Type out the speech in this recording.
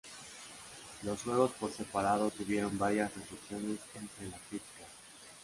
Los juegos por separado tuvieron varias recepciones entre la crítica.